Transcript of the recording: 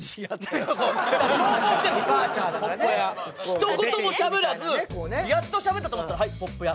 ひと言もしゃべらずやっとしゃべったと思ったら「はい『鉄道員』」。